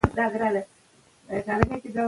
ماسوم په مینه او ډاډ کې ښه وده کوي.